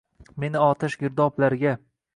Meni otash, girdoblarga